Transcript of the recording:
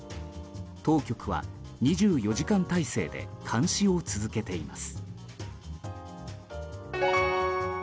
当局は２４時間体制で監視を続けています。